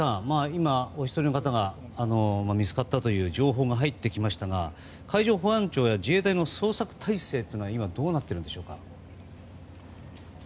今、お一人の方が見つかったという情報が入ってきましたが海上保安庁や自衛隊の捜索態勢というのは今、どうなっているでしょうか？